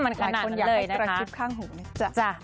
มันขนาดนั้นเลยนะคะจ้ะหลายคนอยากให้กระซิบข้างหูนิดหนึ่ง